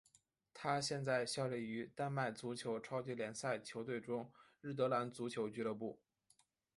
他现在效力于丹麦足球超级联赛球队中日德兰足球俱乐部。